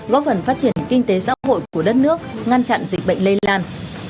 góp phần phát triển kinh tế xã hội của đất nước ngăn chặn dịch bệnh lây lan